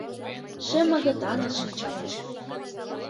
Шем агытанет шинчалеш